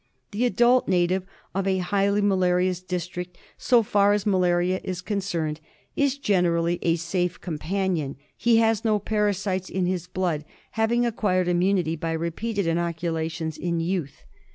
The adult native of a highly malarious district, so far as malaria is concerned, is generally a safe companion ; he has no parasites in his blood, having acquired im munity by repeated inoculations in youth.